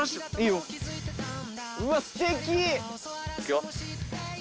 いくよ。